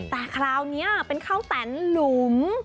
แต่คราวนี้เป็นข้าวแตนหลุม